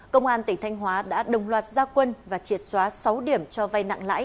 công an tỉnh thanh hóa đã đồng loạt gia quân và triệt xóa sáu điểm cho vay nặng lãi